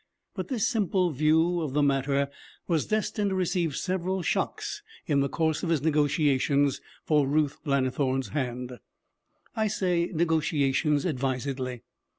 But this simple view of the matter was destined to receive several shocks in the course of his negotiations for Ruth Lannithorne's hand. I say negotiations advisedly.